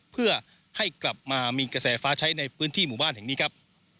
เพื่อให้กลับมามีกระแสฟ้าใช้ในพื้นที่หมู่บ้านแห่งนี้ครับ